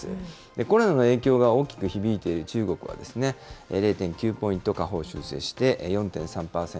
コロナの影響が大きく響いている中国は０．９ポイント下方修正して４．３％。